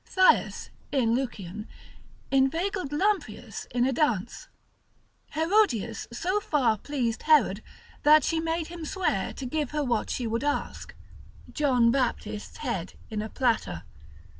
Thais, in Lucian, inveigled Lamprias in a dance, Herodias so far pleased Herod, that she made him swear to give her what she would ask, John Baptist's head in a platter.